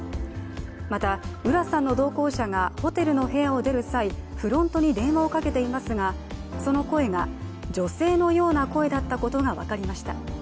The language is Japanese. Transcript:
また、浦さんの同行者がホテルの部屋を出る際、フロントに電話をかけていますが、その声が女性のような声だったことが分かりました。